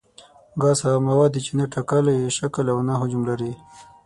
ګاز هغه مواد دي چې نه ټاکلی شکل او نه حجم لري.